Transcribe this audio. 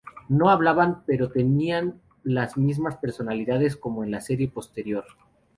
No hablaban, pero tenían las mismas personalidades como en la serie posterior.